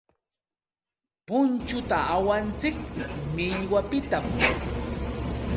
Punchuta awantsik millwapiqta.